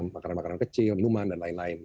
makanan makanan kecil minuman dan lain lain